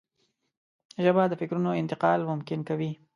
ژبه د فکرونو انتقال ممکن کوي